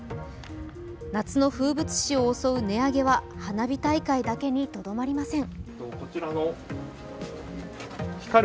夏の風物詩を襲う値上げは花火大会だけにとどまりません。